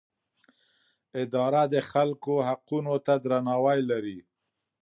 اداره د خلکو حقونو ته درناوی لري.